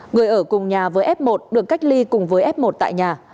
người ở cùng nhà với f một được cách ly cùng với f một tại nhà